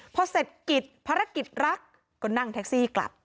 พอเสร็จกิจภารกิจรักก็นั่งแท็กซี่กลับ